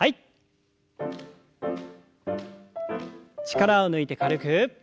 力を抜いて軽く。